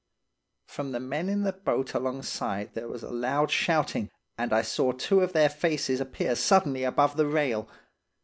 "From the men in the boat alongside there was a loud shouting. and I saw two of their faces appear suddenly above the rail.